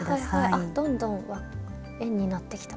あっどんどん円になってきた。